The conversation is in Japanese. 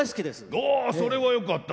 おそれはよかった。